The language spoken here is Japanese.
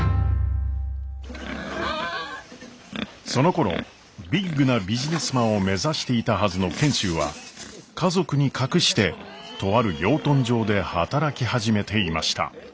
そのころビッグなビジネスマンを目指していたはずの賢秀は家族に隠してとある養豚場で働き始めていました。